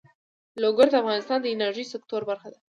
لوگر د افغانستان د انرژۍ سکتور برخه ده.